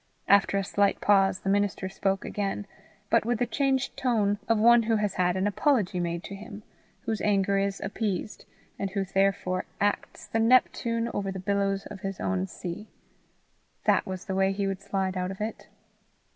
After a slight pause, the minister spoke again, but with the changed tone of one who has had an apology made to him, whose anger is appeased, and who therefore acts the Neptune over the billows of his own sea. That was the way he would slide out of it.